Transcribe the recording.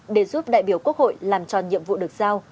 để giúp đại biểu quốc hội làm tròn nhiệm vụ được giao